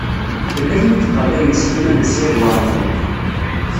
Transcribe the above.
Tella tin i yeṭṭalayen Sliman U Saɛid Waɛmaṛ U Muḥ.